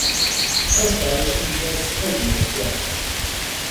Разказваше ми днес един от тях.